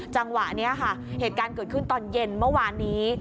จังหวะนี้ค่ะเหตุการณ์เกิดขึ้นตอนเย็นเมื่อวานนี้